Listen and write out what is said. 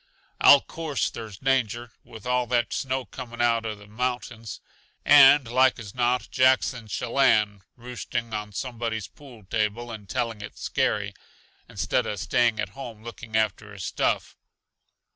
"I'll course there's danger, with all that snow coming out uh the mountains. And like as not Jack's in Shellanne roosting on somebody's pool table and telling it scary, instead uh staying at home looking after his stuff.